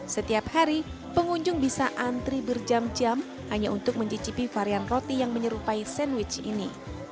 setiap hari pengunjung bisa antri berjam jam hanya untuk mencicipi varian roti yang menyerupai sandwich ini